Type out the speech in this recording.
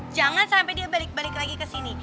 jangan sampai dia balik balik lagi ke sini